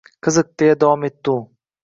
— Qiziq, — deya davom etdi u.